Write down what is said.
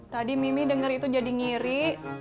tadi mimi denger itu jadi ngiri